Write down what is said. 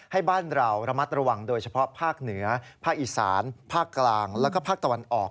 ให้บ้านเราระมัดระวังโดยเฉพาะภาคเหนือภาคอีสานภาคกลางแล้วก็ภาคตะวันออก